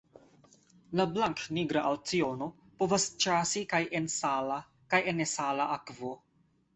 La Blanknigra alciono povas ĉasi kaj en sala kaj en nesala akvo.